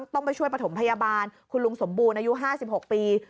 ต้องไปช่วยประถมพยาบาลคุณลุงสมบูรณ์อายุ๕๖ปี